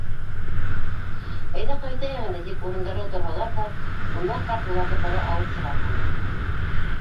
Әйҙә, ҡайтайыҡ инде, — тип урындарынан торһалар ҙа, Үмәр ҡарт уларҙы ҡоро ауыҙ сығарманы.